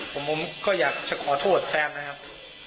ผมก็อยากจะขอโทษแฟนนะครับ